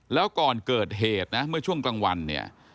แล้วก่อนเกิดเหตุนะเมื่อช่วงกลางวันเนี่ย